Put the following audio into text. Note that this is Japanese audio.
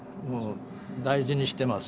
大事にしてます